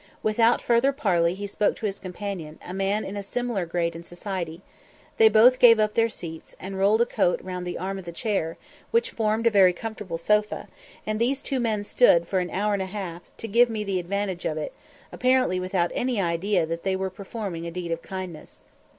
Without further parley he spoke to his companion, a man in a similar grade in society; they both gave up their seats, and rolled a coat round the arm of the chair, which formed a very comfortable sofa; and these two men stood for an hour and a half, to give me the advantage of it, apparently without any idea that they were performing a deed of kindness.